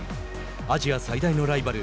アジア最大のライバル